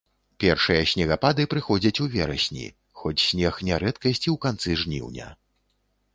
Першыя снегапады праходзяць у верасні, хоць снег не рэдкасць і ў канцы жніўня.